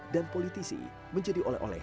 politisi menjadi oleh oleh